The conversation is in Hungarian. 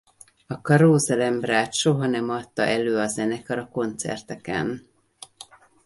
A Carouselambra-t soha nem adta elő a zenekar a koncerteken.